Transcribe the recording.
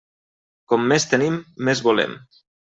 Com més tenim, més volem.